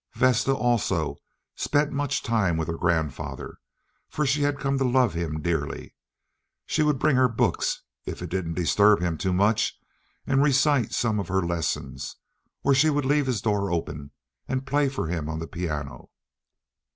Vesta also spent much time with her grandfather, for she had come to love him dearly. She would bring her books, if it didn't disturb him too much, and recite some of her lessons, or she would leave his door open, and play for him on the piano.